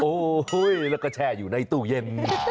โอ้โหแล้วก็แช่อยู่ในตู้เย็น